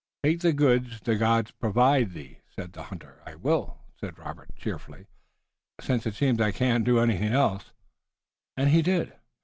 "Take the goods the gods provide thee," said the hunter. "I will," said Robert, cheerfully, "since it seems I can't do anything else." And he did.